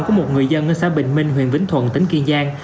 của một người dân ở xã bình minh huyện vĩnh thuận tỉnh kiên giang